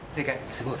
すごい。